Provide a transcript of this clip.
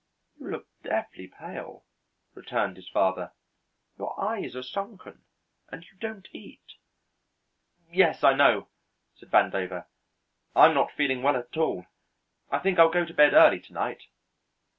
"You look deathly pale," returned his father. "Your eyes are sunken and you don't eat." "Yes, I know," said Vandover. "I'm not feeling well at all. I think I'll go to bed early to night.